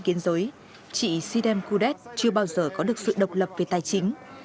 trong một gia đình kiến dối chị sidem kudet chưa bao giờ có được sự độc lập về tài chính